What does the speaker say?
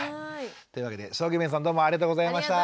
というわけで將基面さんどうもありがとうございました。